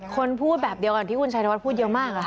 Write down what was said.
คนพูดแบบเดียวแหล่ะที่คุณชายภัวร์พูดอยู่เดียวเลย